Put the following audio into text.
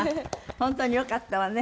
本当によかったわね。